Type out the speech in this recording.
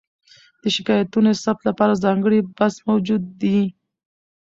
د شکایتونو د ثبت لپاره ځانګړی بکس موجود دی.